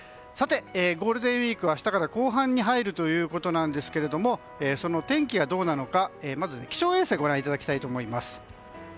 ゴールデンウィーク、明日から後半に入るということですがその天気はどうなのかまずは気象衛星をご覧いただきたいと思います。